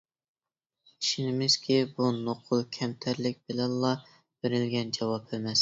ئىشىنىمىزكى، بۇ نوقۇل كەمتەرلىك بىلەنلا بېرىلگەن جاۋاب ئەمەس.